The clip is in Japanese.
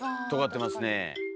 とがってますね。